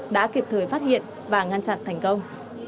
đã kịp thời phát hiện và ngăn chặn thành công